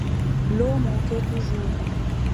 L’eau manquait toujours.